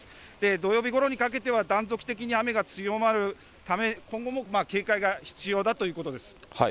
土曜日ごろにかけては断続的に雨が強まるため、今後も警戒が必要だということです。